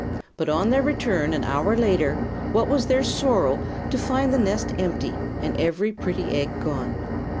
But on their return an hour later what was their sorrow to find the nest empty, and every pretty egg gone.